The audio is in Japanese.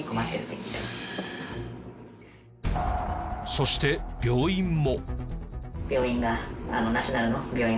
そして病院も。